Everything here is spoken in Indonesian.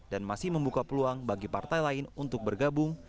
dan masih membuka peluang bagi partai lain untuk bergabung